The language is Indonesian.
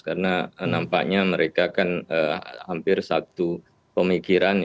karena nampaknya mereka kan hampir satu pemikiran